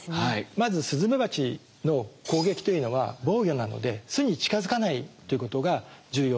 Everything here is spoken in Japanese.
まずスズメバチの攻撃というのは防御なので巣に近づかないということが重要ですね。